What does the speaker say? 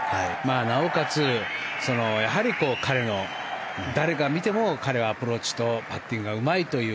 なおかつ、やはり彼の誰が見ても、彼はアプローチとパッティングがうまいという